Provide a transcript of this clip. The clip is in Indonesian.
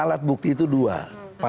alat bukti itu dua